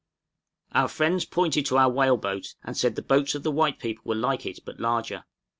} Our friends pointed to our whale boat, and said the boats of the white people were like it, but larger.